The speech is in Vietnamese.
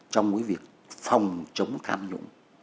trong việc phòng chống tham nhũng